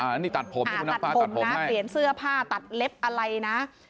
อ่ะตัดผมนะเปลี่ยนเสื้อผ้าตัดเล็บอะไรนะ